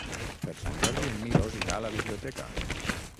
Per Sant Jordi en Milos irà a la biblioteca.